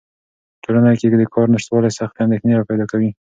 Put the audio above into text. په ټولنه کې د کار نشتوالی سختې اندېښنې راپیدا کوي.